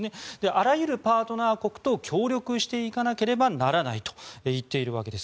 あらゆるパートナー国と協力していかなければならないと言っているわけです。